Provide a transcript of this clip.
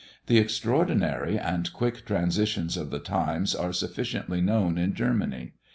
The extraordinary and quick transitions of the Times are sufficiently known in Germany.